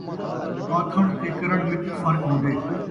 آکھݨ تے کرݨ ءِچ فرق ہوندے